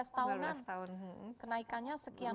lima belas tahunan kenaikannya sekian